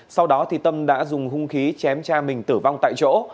sau đó tâm đã dùng hung khí chém cha mình tử vong tại chỗ